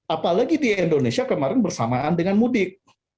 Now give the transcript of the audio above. apalagi di indonesia kemarin bersamaan dengan mudik